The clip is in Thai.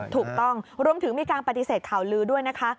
ถูกต้องรวมถึงมีการปฏิเสธข่าวลือด้วยนะคะ